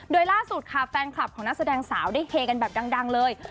โดยล่าสุดค่ะแฟนคลับของนักแสดงสาวได้เฮกันแบบดังเลย